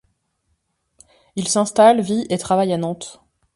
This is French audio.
Il s’installe, vit et travaille à Nantes.